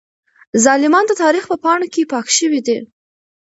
ظالمان د تاريخ په پاڼو کې پاک شوي دي.